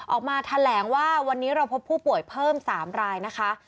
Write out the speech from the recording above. ออกมาแถลงว่าวันนี้เราพบผู้ป่วยเพิ่ม๓รายนะคะ